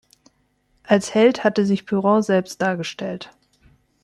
Als Held hatte sich Piron selbst dargestellt.